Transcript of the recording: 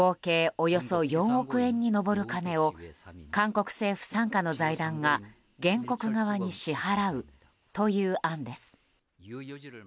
およそ４億円に上る金を韓国政府傘下の財団が原告側に支払うという案です。